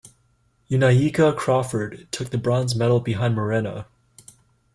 Yunaika Crawford took the bronze medal behind Moreno.